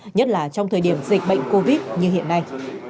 nhất là trong thời điểm dịch bệnh covid như hiện nay